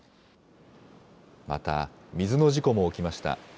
また、水の事故も起きました。